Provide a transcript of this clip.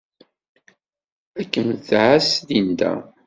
Ad kem-tɛass Linda.